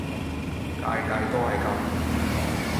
屆屆都係噉